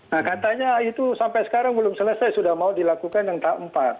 nah katanya itu sampai sekarang belum selesai sudah mau dilakukan yang tahap empat